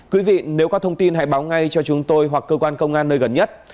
quý vị nếu có thông tin hãy báo ngay cho chúng tôi hoặc cơ quan công an nơi gần nhất